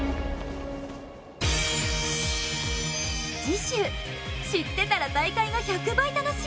次週知ってたら大会が１００倍楽しい！